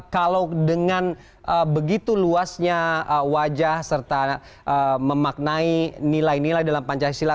kalau dengan begitu luasnya wajah serta memaknai nilai nilai dalam pancasila